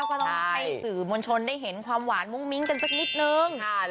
ก็ต้องให้สื่อมวลชนได้เห็นความหวานมุ้งมิ้งกันสักนิดนึง